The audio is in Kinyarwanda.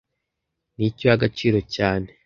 Ni iki uha agaciro cyane